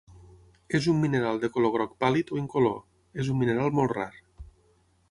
És un mineral de color groc pàl·lid o incolor, és un mineral molt rar.